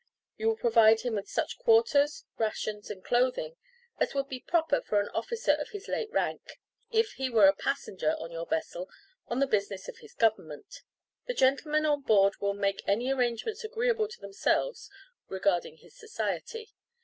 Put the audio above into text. You will provide him with such quarters, rations, and clothing as would be proper for an officer of his late rank, if he were a passenger on your vessel on the business of his Government. The gentlemen on board will make any arrangements agreeable to themselves regarding his society.